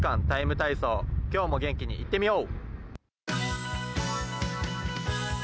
ＴＩＭＥ体操」今日も元気にいってみよう。